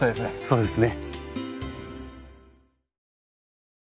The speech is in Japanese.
そうですね。